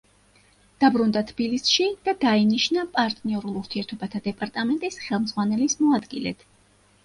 დაბრუნდა თბილისში და დაინიშნა პარტნიორულ ურთიერთობათა დეპარტამენტის ხელმძღვანელის მოადგილედ.